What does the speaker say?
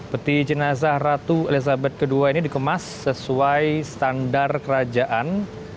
peti jenazah ratu elizabeth ii ini dikemas sesuai standar kerajaan